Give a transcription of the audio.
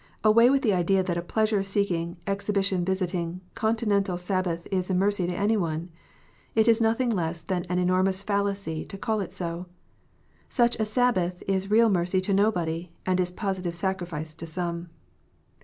Away with the idea that a pleasure seeking, exhibition visiting, Continental Sabbath is mercy to any one ! It is nothing less than an enormous fallacy to call it so. Such a Sabbath is real mercy to nobody, and is positive sacrifice to some.